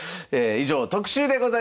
以上特集でございました。